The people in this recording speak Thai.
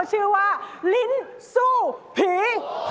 ชื่อว่าลิ้นสู้ผี